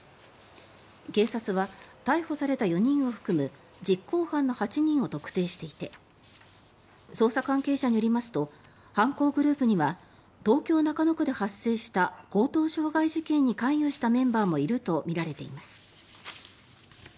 警察は、逮捕された４人を含む実行犯の８人を特定していて捜査関係者によりますと犯行グループには東京・中野区で発生した強盗傷害事件に関与したメンバーもいるとみられています。